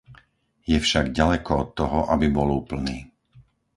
Je však ďaleko od toho, aby bol úplný.